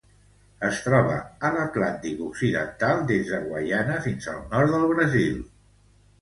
Es troba a l'Atlàntic occidental: des de Guaiana fins al nord del Brasil.